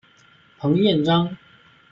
彭彦章。